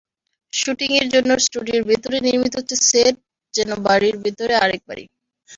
শুটিংয়ের জন্য স্টুডিওর ভেতরেই নির্মিত হচ্ছে সেট, যেন বাড়ির ভেতরে আরেক বাড়ি।